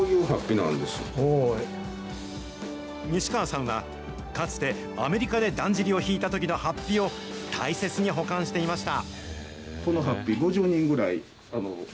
西川さんは、かつてアメリカでだんじりを引いたときのはっぴを、大切に保管していました。